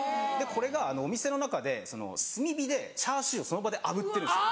これがお店の中で炭火でチャーシューをその場で炙ってるんです。